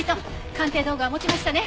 鑑定道具は持ちましたね？